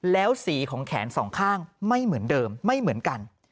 แล้วสีของแขนสองข้างไม่เหมือนเดิมไม่เหมือนกัน